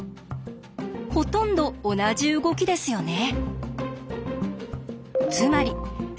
ほとんど同じ動きですよね。